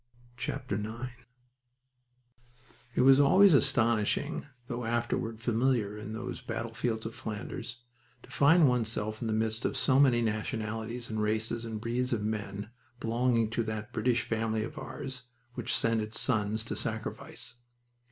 IX It was always astonishing, though afterward familiar in those battlefields of Flanders, to find oneself in the midst of so many nationalities and races and breeds of men belonging to that British family of ours which sent its sons to sacrifice.